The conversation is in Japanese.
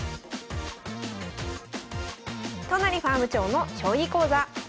都成ファーム長の将棋講座。